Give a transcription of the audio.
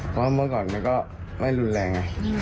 เพราะว่าเมื่อก่อนมันก็ไม่รุนแรงไง